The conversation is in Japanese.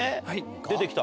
出てきた？